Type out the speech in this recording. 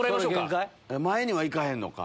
前には行かへんのか。